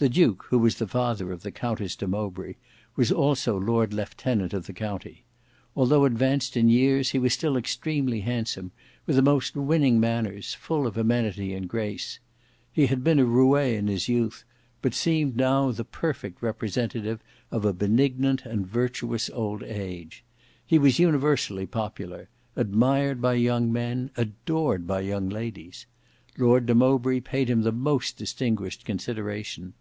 The Duke, who was the father of the Countess de Mowbray, was also lord lieutenant of the county. Although advanced in years, he was still extremely handsome; with the most winning manners; full of amenity and grace. He had been a roue in his youth, but seemed now the perfect representative of a benignant and virtuous old age. He was universally popular; admired by young men, adored by young ladies. Lord de Mowbray paid him the most distinguished consideration.